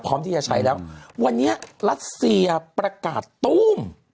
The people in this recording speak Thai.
พร้อมที่จะใช้แล้ววันนี้รัสเซียประกาศตู้ม